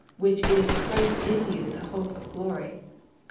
which is Christ in you, the hope of glory" (Col.